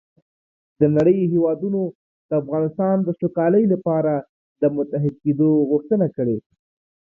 د نړۍ هېوادونو د افغانستان د سوکالۍ لپاره د متحد کېدو غوښتنه کړې